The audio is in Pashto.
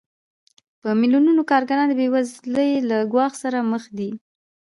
په میلیونونو کارګران د بېوزلۍ له ګواښ سره مخ دي